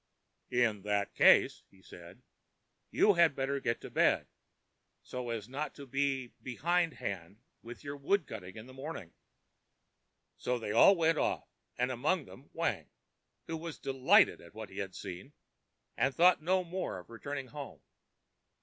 ãIn that case,ã said he, ãyou had better get to bed, so as not to be behindhand with your wood cutting in the morning.ã So they all went off, and among them Wang, who was delighted at what he had seen, and thought no more of returning home.